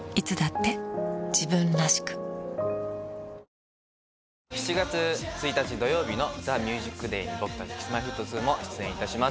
なんで７月１日土曜日の『ＴＨＥＭＵＳＩＣＤＡＹ』に僕たちＫｉｓ−Ｍｙ−Ｆｔ２も出演いたします。